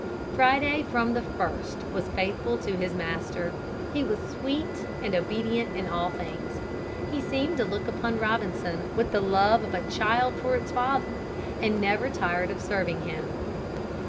Friday from the first was faithful to his master. He was sweet and obedient in all things. He seemed to look upon Robinson with the love of a child for its father and never tired of serving him.